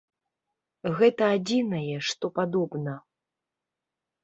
Гэта адзінае, што падобна.